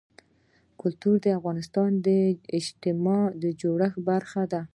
کلتور د افغانستان د اجتماعي جوړښت برخه ده.